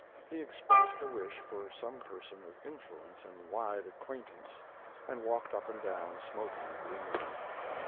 He expressed a wish for some person of influence and wide acquaintance, and walked up and down, smoking gloomily.